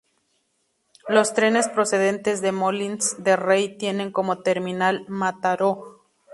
Los trenes procedentes de Molins de Rey tienen como terminal Mataró.